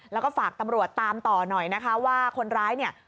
แล้วก็ฝากตำรวจตามต่อหน่อยนะคะว่าคนร้ายเนี่ย